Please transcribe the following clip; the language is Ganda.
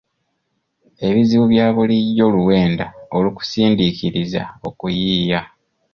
Ebizibu bya bulijjo luwenda olukusindiikiriza okuyiiya